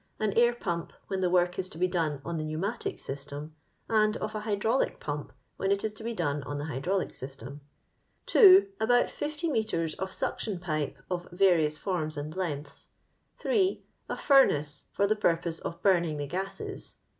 An air pump when the work is to be done on tlie pneumatic system, and of an hy draulic pump when it is to be done on the liydraulic system. *' 2. About 50 metres of suction pipe of va rious forms and lengths. 3. A furnace for the purpose of burning the gases.